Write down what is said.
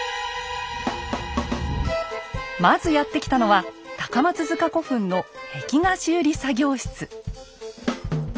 まずやって来たのは高松塚古墳の壁画修理作業室。